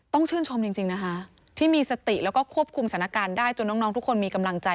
ต้องชื่นชมจริงนะคะที่มีสติแล้วก็ควบคุมสถานการณ์ได้จนน้องทุกคนมีกำลังใจ